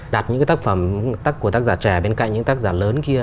đặt những cái tác phẩm của tác giả trẻ bên cạnh những tác giả lớn kia